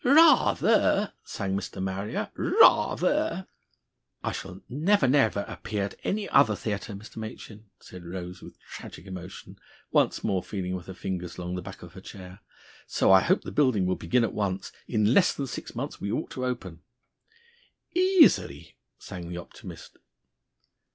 "Rather!" sang Mr. Marrier. "Rather!" "I shall never, never appear at any other theatre, Mr. Machin!" said Rose with tragic emotion, once more feeling with her fingers along the back of her chair. "So I hope the building will begin at once. In less than six months we ought to open." "Easily!" sang the optimist.